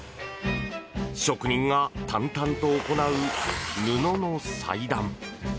職人が淡々と行う布の裁断。